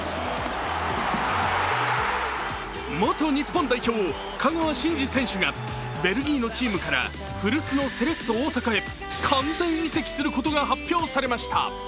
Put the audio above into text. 元日本代表、香川真司選手がベルギーのチームから古巣のセレッソ大阪へ完全移籍することが発表されました。